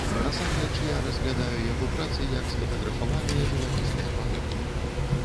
Насамрэч, я разглядаю яго працы як сфатаграфаваныя жывапісныя палотны.